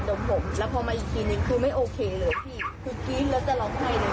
ดมผมแล้วพอมาอีกทีนึงคือไม่โอเคเลยว่าที่คุณคิดแล้วจะร้องไห้เลย